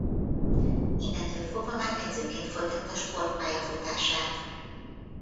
Innentől fogva már edzőként folytatta sportpályafutását.